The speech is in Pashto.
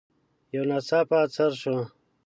يو ناڅاپه څررر شو.